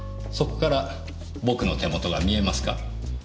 そこから僕の手元が見えますか？